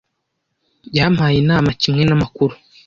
Yampaye inama kimwe namakuru.